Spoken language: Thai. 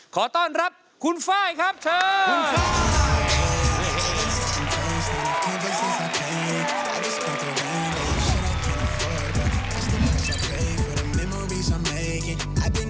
ขอต้อนรับคุณไฟล์ครับเชิญ